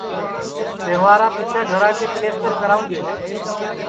تہوارا پیچھیں گھرا کا پیلستر کراوں گے